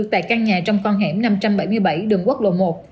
tại căn nhà trong con hẻm năm trăm bảy mươi bảy đường quốc lộ một